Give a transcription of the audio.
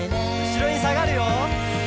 「後ろにさがるよ」